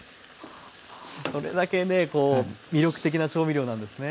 それだけねこう魅力的な調味料なんですね。